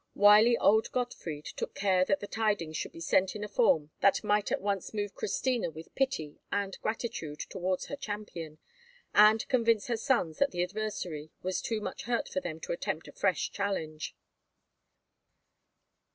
Wily old Gottfried took care that the tidings should be sent in a form that might at once move Christina with pity and gratitude towards her champion, and convince her sons that the adversary was too much hurt for them to attempt a fresh challenge.